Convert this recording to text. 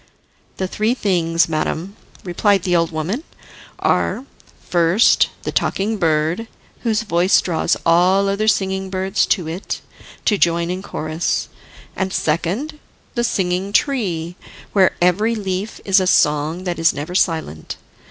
"The three things, madam," replied the old woman, "are, first, the Talking Bird, whose voice draws all other singing birds to it, to join in chorus. And second, the Singing Tree, where every leaf is a song that is never silent.